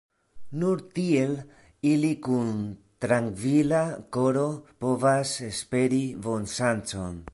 Nur tiel ili kun trankvila koro povas esperi bonŝancon.